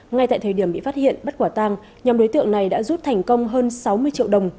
ngay tại thời điểm bị phát hiện bắt quả tang nhóm đối tượng này đã rút thành công hơn sáu mươi triệu đồng